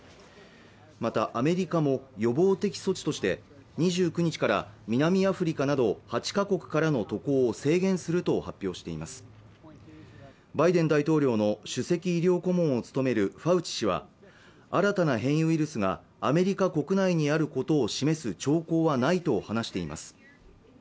またアメリカも予防的措置として２９日から南アフリカなど８か国からの渡航を制限すると発表していますバイデン大統領の首席医療顧問を務めるファウチ氏は新たな変異ウイルスがアメリカ国内にあることを示す兆候はないと話しています